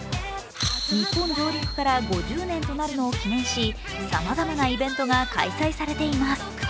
日本上陸から５０年となるのを記念しさまざまなイベントが開催されています。